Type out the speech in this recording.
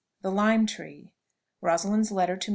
THE LIME TREE. ROSALIND'S LETTER TO MR.